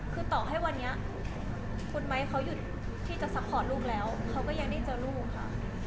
คือต่อให้วันนี้คุณไม้เขาหยุดที่จะซัพพอร์ตลูกแล้วเขาก็ยังได้เจอลูกค่ะ